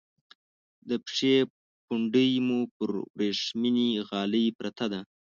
د پښې پونډۍ مو پر ورېښمینې غالی پرته ده.